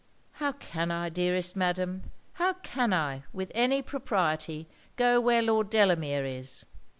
'How can I, dearest Madam how can I, with any propriety, go where Lord Delamere is?